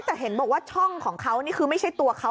แต่เห็นบอกว่าช่องของเขานี่คือไม่ใช่ตัวเขา